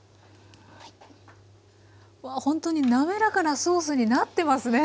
わあほんとに滑らかなソースになってますね。